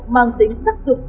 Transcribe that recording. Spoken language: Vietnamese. mang tính sắc dục